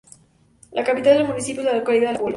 La capital del municipio es la localidad de Apolo.